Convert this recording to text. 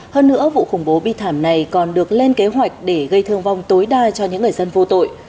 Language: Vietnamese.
hơn nữa vụ khủng bố bi thảm này còn được lên kế hoạch để gây thương vong tối đa cho những người dân vô tội